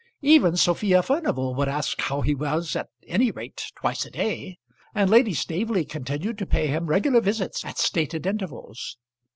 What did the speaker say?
Even Sophia Furnival would ask how he was at any rate twice a day, and Lady Staveley continued to pay him regular visits at stated intervals.